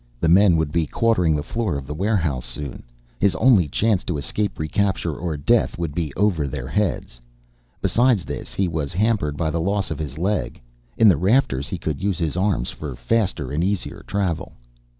The men would be quartering the floor of the warehouse soon, his only chance to escape recapture or death would be over their heads. Besides this, he was hampered by the loss of his leg. In the rafters he could use his arms for faster and easier travel.